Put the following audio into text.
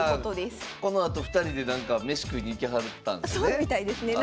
確かこのあと２人で飯食いに行きはったんですよね。